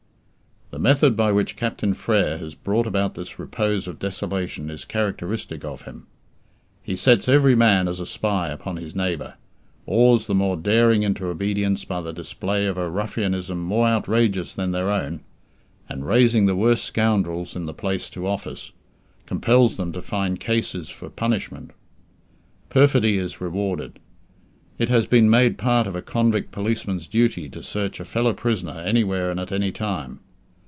The method by which Captain Frere has brought about this repose of desolation is characteristic of him. He sets every man as a spy upon his neighbour, awes the more daring into obedience by the display of a ruffianism more outrageous than their own, and, raising the worst scoundrels in the place to office, compels them to find "cases" for punishment. Perfidy is rewarded. It has been made part of a convict policeman's duty to search a fellow prisoner anywhere and at any time.